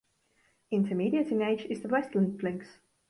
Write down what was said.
Intermediate in age is the Westland Lynx.